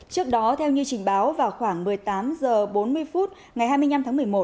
trước đó theo như trình báo vào khoảng một mươi tám h bốn mươi phút ngày hai mươi năm tháng một mươi một